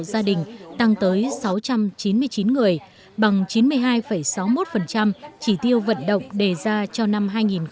hội tăng tới sáu trăm chín mươi chín người bằng chín mươi hai sáu mươi một chỉ tiêu vận động đề ra cho năm hai nghìn một mươi tám